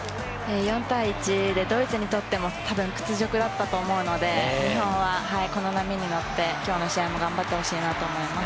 ４対１でドイツにとっても屈辱だったと思うので、日本はこの波に乗って、きょうの試合も頑張ってほしいです。